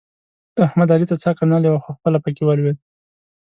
احمد؛ علي ته څا کنلې وه؛ خو خپله په کې ولوېد.